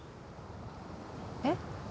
えっ？